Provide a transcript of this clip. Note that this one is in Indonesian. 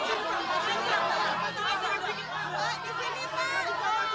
dia juga sedikit berbeda